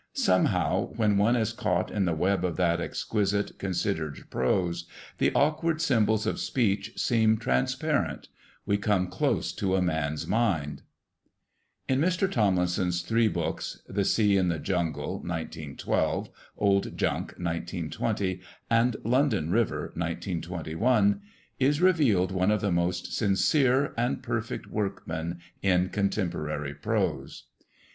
Somehow, when one is caught in the web of that exquisite, considered prose, the awkward symbols of speech seem transparent; we come close to a man's mind. In Mr. Tomlinson's three books The Sea and the Jungle (1912), Old Junk (1920) and London River (1921) is revealed one of the most sincere and perfect workmen in contemporary prose.